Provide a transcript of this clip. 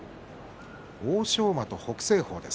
欧勝馬と北青鵬です。